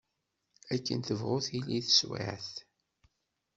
Akken tebɣu tili teswiɛt.